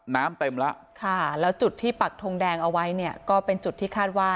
น้ำเต็มแล้วค่ะแล้วจุดที่ปักทงแดงเอาไว้เนี่ยก็เป็นจุดที่คาดว่า